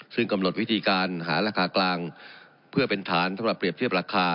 ซึ่งกำหนดวิธีการหาราคากลางเพื่อเป็นฐานสำหรับเปรียบเทียบราคา